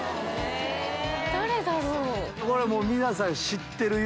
誰だろう？え？